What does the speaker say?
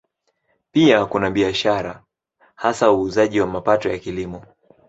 Pia kuna biashara, hasa uuzaji wa mapato ya Kilimo.